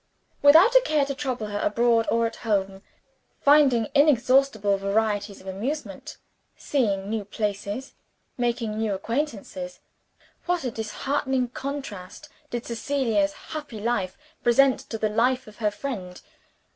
Without a care to trouble her; abroad or at home, finding inexhaustible varieties of amusement; seeing new places, making new acquaintances what a disheartening contrast did Cecilia's happy life present to the life of her friend!